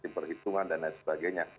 perhitungan dan lain sebagainya